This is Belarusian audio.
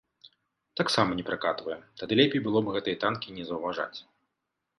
Таксама не пракатвае, тады лепей было б гэтыя танкі не заўважаць.